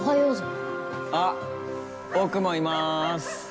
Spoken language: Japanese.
あっ僕もいまーす。